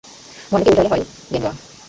ভন্ডকে উল্টালে হয় গেন্ডয়া।